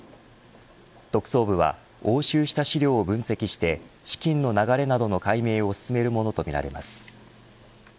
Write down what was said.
特捜部は押収した資料を分析して資金の流れなどの解明を進めるものとみられます。